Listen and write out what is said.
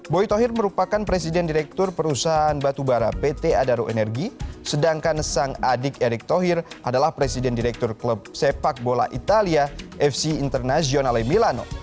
boy tohir merupakan presiden direktur perusahaan batubara pt adaro energi sedangkan sang adik erick thohir adalah presiden direktur klub sepak bola italia fc international emilano